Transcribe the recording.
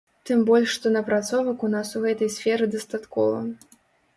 Тым больш што напрацовак у нас у гэтай сферы дастаткова.